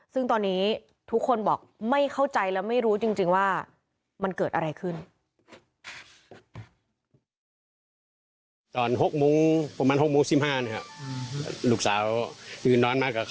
ซึ่งตอนนี้ทุกคนบอกไม่เข้าใจและไม่รู้จริงว่ามันเกิดอะไรขึ้น